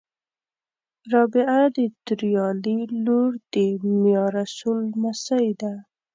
رابعه د توریالي لور د میارسول لمسۍ ده